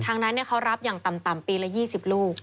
นั้นเขารับอย่างต่ำปีละ๒๐ลูก